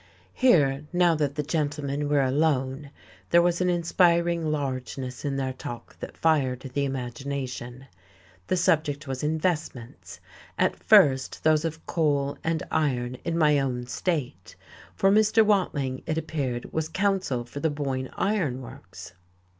Here, now that the gentlemen were alone, there was an inspiring largeness in their talk that fired the imagination. The subject was investments, at first those of coal and iron in my own state, for Mr. Watling, it appeared, was counsel for the Boyne Iron Works.